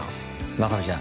真壁ちゃん